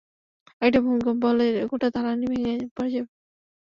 আরেকটা ভূমিকম্প হলে গোটা দালানই ভেঙে পড়ে যাবে।